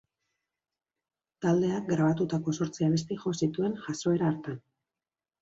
Taldeak grabatutako zortzi abesti jo zituen jazoera hartan.